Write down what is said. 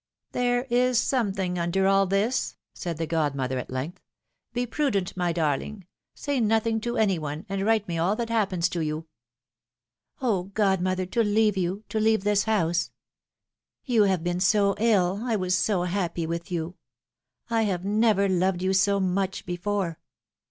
There is something under all this,'' said the god mother at length; '^be prudent, my darling; say nothing to any one, and write me all that happens to you." ^^Oh! godmother, to leave you, to leave this house. You have been so ill, I was so happy with you ! I have never loved you so much before!"